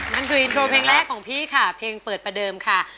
นั่นคืออินโทรเพลงแรกของพี่ค่ะเพลงเปิดประเดิมค่ะ